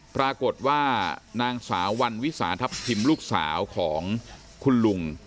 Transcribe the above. ปรากฏว่านางสาววันวิสาทัพทิมลูกสาวของคุณลุง